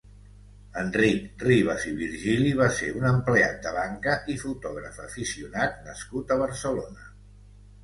Enric Ribas i Virgili va ser un empleat de banca i fotògraf aficionat nascut a Barcelona.